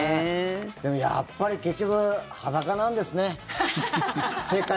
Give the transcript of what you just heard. でも、やっぱり結局、裸なんですね。